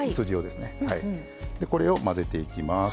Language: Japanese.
でこれを混ぜていきます。